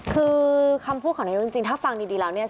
คือคำพูดของนายกจริงถ้าฟังดีแล้วเนี่ย